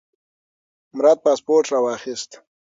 مراد پاسپورت راواخیست.